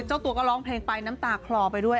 เจ้าตัวก็ร้องเพลงไปน้ำตาคลอไปด้วย